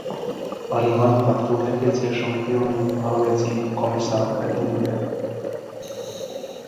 Arī man par to nepieciešama pilnīga pārliecība, komisār Oettinger.